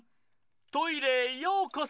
トイレへようこそ！